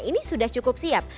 ini sudah cukup siap